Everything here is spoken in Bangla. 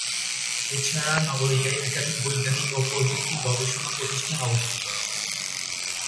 এছাড়া নগরীতে একাধিক বৈজ্ঞানিক ও প্রযুক্তি গবেষণা প্রতিষ্ঠান অবস্থিত।